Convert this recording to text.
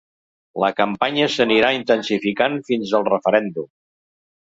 La campanya s’anirà intensificant fins al referèndum.